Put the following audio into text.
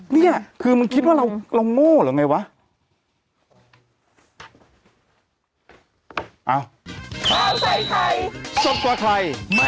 เนี่ยคือมึงคิดว่าเราโง่หรืออย่างไรวะ